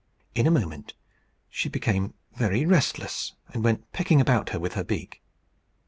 In a moment she became very restless, and went pecking about with her beak.